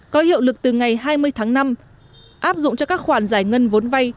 có hiệu lực từ ngày hai mươi tháng năm áp dụng cho các khoản giải ngân vốn vay